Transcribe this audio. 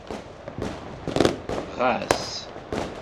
Ɣas.